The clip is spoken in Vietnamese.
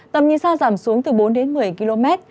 tầm nhìn xa giảm xuống từ bốn đến một mươi km